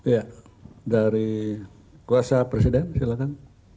ya dari kuasa presiden silakan